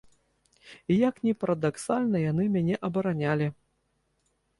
І як ні парадаксальна яны мяне абаранялі.